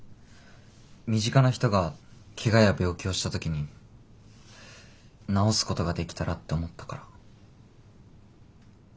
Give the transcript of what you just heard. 身近な人が怪我や病気をした時に治すことができたらって思ったから。